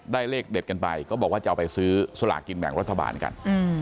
เลขเด็ดกันไปก็บอกว่าจะเอาไปซื้อสลากกินแบ่งรัฐบาลกัน